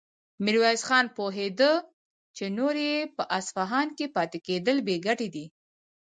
ميرويس خان پوهېده چې نور يې په اصفهان کې پاتې کېدل بې ګټې دي.